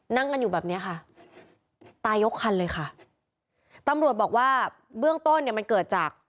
นั่งกันอยู่แบบเนี้ยค่ะตายกคันเลยค่ะตำรวจบอกว่าเบื้องต้นเนี่ยมันเกิดจาก